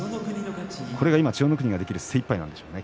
これが今、千代の国ができる精いっぱいなんでしょうね。